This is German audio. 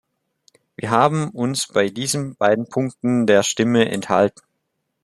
Wir haben uns bei diesen beiden Punkten der Stimme enthalten.